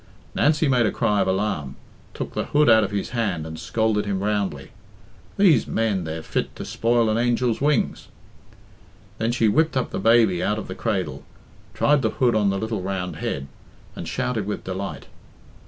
Nancy made a cry of alarm, took the hood out of his hand, and scolded him roundly. "These men, they're fit to spoil an angel's wings." Then she whipped up the baby out of the cradle, tried the hood on the little round head, and shouted with delight.